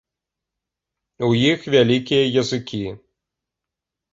У іх вялікія языкі.